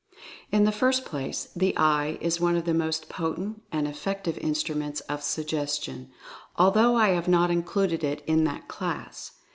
In the first place, the Eye is one of the most, potent and effective instruments of Suggestion, although I have not included it in that class.